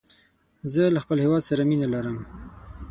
زه له خپل هېواد سره مینه لرم